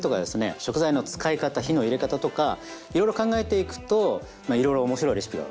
食材の使い方火の入れ方とかいろいろ考えていくといろいろ面白いレシピが思いつくわけですよね。